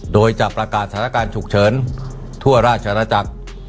โดยจะประกาศสถานการณ์ฉุกเฉินทั่วราชนาจักร